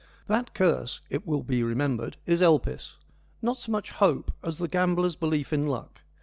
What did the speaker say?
That curse, it will be remembered, is Elpis — not so much Hope as the gambler's belief in Luck.